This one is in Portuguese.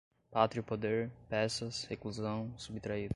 pátrio poder, peças, reclusão, subtraído